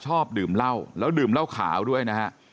ชอบดื่มเหล้าแล้วดื่มเหล้าขาวด้วยนะฮะ